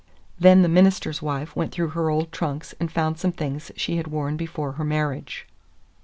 Then the minister's wife went through her old trunks and found some things she had worn before her marriage.